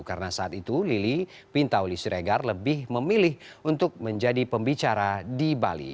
karena saat itu lili pintauli siregar lebih memilih untuk menjadi pembicara di bali